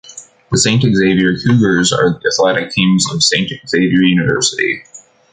The Saint Xavier Cougars are the athletic teams of Saint Xavier University.